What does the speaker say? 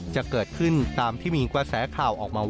จะเกิดขึ้นตามที่มีกระแสข่าวออกมาว่า